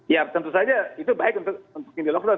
ya tentu saja itu baik untuk mini lockdown